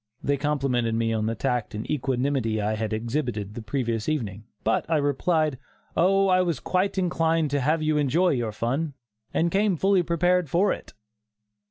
They complimented me on the tact and equanimity I had exhibited the previous evening, but I replied: "Oh! I was quite inclined to have you enjoy your fun, and came fully prepared for it."